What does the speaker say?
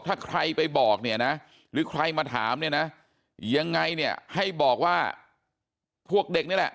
ถ้าใครไปบอกเนี่ยนะหรือใครมาถามเนี่ยนะยังไงเนี่ยให้บอกว่าพวกเด็กนี่แหละ